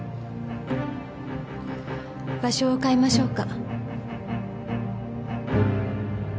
場所を変えましょうか。